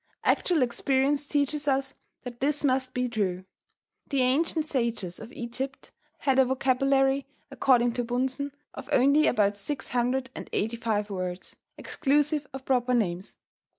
Actual experience teaches us that this must be true. The ancient sages of Egypt had a vocabulary, according to Bunsen, of only about six hundred and eighty five words, exclusive of proper names.